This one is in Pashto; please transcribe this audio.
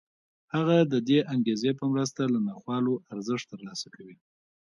هغه د دې انګېزې په مرسته له ناخوالو ارزښت ترلاسه کوي